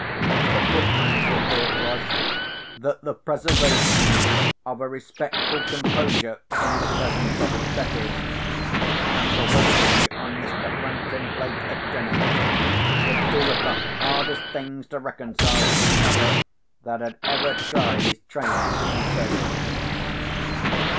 The footman's report was, that the preservation of a respectful composure in the presence of his betters, and the waiting on Mr. Franklin Blake at dinner, were two of the hardest things to reconcile with each other that had ever tried his training in service.